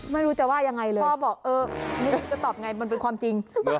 ไม่รู้จะว่ายังไงเลยพ่อบอกเออไม่รู้จะตอบไงมันเป็นความจริง